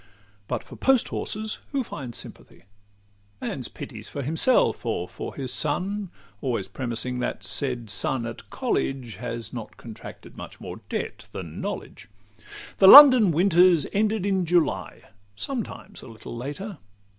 But for post horses who finds sympathy? Man's pity's for himself, or for his son, Always premising that said son at college Has not contracted much more debt than knowledge. XLIII The London winter's ended in July Sometimes a little later.